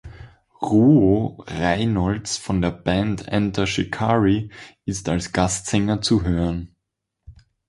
Rou Reynolds von der Band Enter Shikari ist als Gastsänger zu hören.